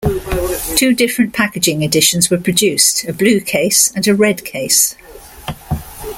Two different packaging editions were produced, a blue case and a red case.